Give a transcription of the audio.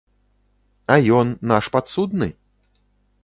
А ён, наш падсудны?